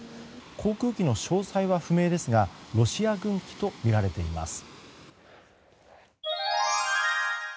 航空機の詳細は不明ですがロシア軍機とみられています。